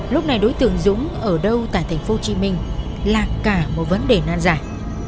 lúc này đối tượng dũng ở đâu tại thành phố hồ chí minh là cả một vấn đề nan giải